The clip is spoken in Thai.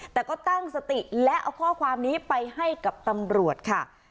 แต่ก็ตั้งสติและเอาข้อความนี้ไปให้กับตำรวจค่ะ